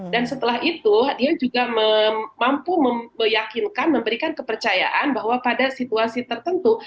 dan setelah itu dia juga mampu memperyakinkan memberikan kepercayaan bahwa pada situasi tertentu